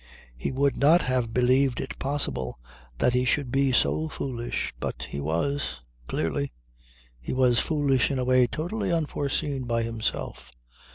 He would not have believed it possible that he should be so foolish. But he was clearly. He was foolish in a way totally unforeseen by himself.